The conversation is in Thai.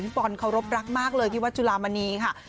บอลเคารพรักมากเลยที่วัดจุลามณีค่ะ